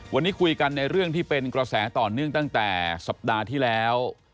วันนี้คุยกันในเรื่องที่เป็นกระแสต่อเนื่องตั้งแต่สัปดาห์ที่แล้ว